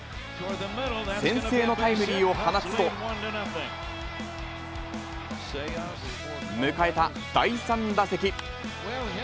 先制のタイムリーを放つと、迎えた第３打席。